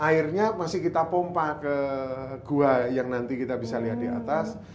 airnya masih kita pompa ke gua yang nanti kita bisa lihat di atas